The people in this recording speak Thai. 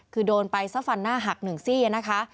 คือโดนไปซะฟันหน้าหักหนึ่งซี่นะคะ